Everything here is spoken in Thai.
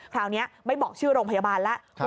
คราวนี้ไม่บอกชื่อโรงพยาบาลแล้ว